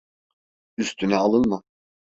Üstüne alınma.